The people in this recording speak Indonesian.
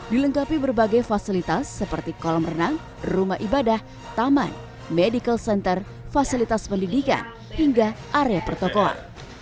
dilengkapi berbagai fasilitas seperti kolam renang rumah ibadah taman medical center fasilitas pendidikan hingga area pertokohan